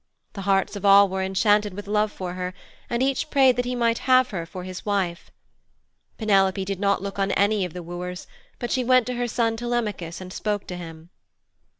The hearts of all were enchanted with love for her, and each prayed that he might have her for his wife. Penelope did not look on any of the wooers, but she went to her son, Telemachus, and spoke to him.